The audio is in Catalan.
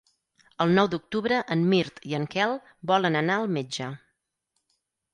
El nou d'octubre en Mirt i en Quel volen anar al metge.